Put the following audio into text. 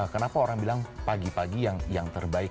kenapa orang bilang pagi pagi yang terbaik